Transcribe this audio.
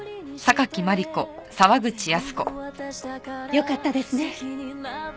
よかったですね。